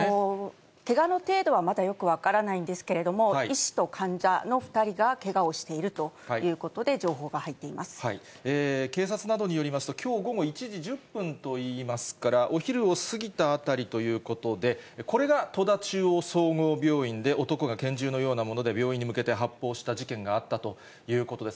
けがの程度はまだよく分からないんですけれども、医師と患者の２人がけがをしているというこ警察などによりますと、きょう午後１時１０分といいますから、お昼を過ぎたあたりということで、これが戸田中央総合病院で男が拳銃のようなもので病院に向けて発砲した事件があったということです。